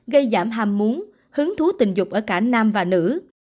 gây giảm hàm muốn hứng thú tình dục ở cả nam và nữ